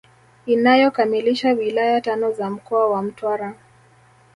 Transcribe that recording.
Inayokamilisha wilaya tano za mkoa wa Mtwara